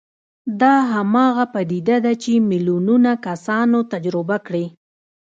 دا هماغه پدیده ده چې میلیونونه کسانو تجربه کړې